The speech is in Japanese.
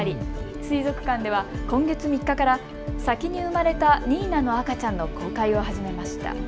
水族館では今月３日から先に生まれたニーナの赤ちゃんの公開を始めました。